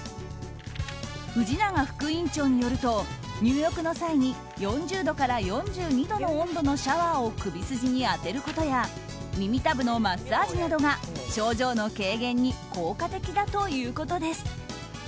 藤永副院長によると入浴の際に４０度から４２度の温度のシャワーを首筋に当てることや耳たぶのマッサージなどが症状の軽減に効果的だということです。